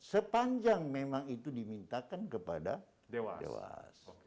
sepanjang memang itu dimintakan kepada dewas